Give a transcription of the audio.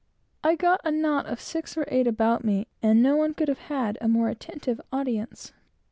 I got a knot of six or eight about me, and no one could have had a more attentive audience.